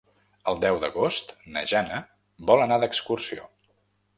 El deu d'agost na Jana vol anar d'excursió.